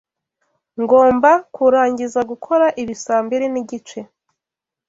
Ngomba kurangiza gukora ibi saa mbiri nigice.